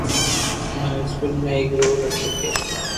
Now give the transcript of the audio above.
اماري اسڪول مي ايڪ رول ھوتو ڪي